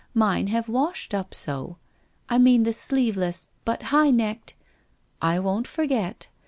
Mine have washed up so. .. I mean the sleeveless — but high necked '' I won't forget.